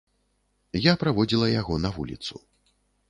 Я праводзіла яго на вуліцу.